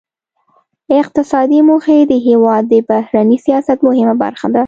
اقتصادي موخې د هیواد د بهرني سیاست مهمه برخه ده